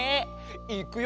いくよ。